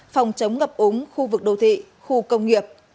phòng chống ngập úng khu vực đô thị khu công nghiệp